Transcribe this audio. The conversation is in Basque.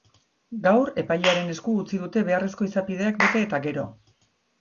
Gaur epailearen esku utzi dute beharrezko izapideak bete eta gero.